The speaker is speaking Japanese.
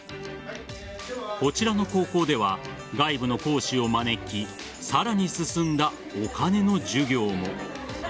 こちらの高校では外部の講師を招きさらに進んだお金の授業も。